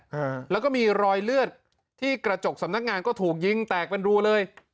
ฮะแล้วก็มีรอยเลือดที่กระจกสำนักงานก็ถูกยิงแตกเป็นรูเลย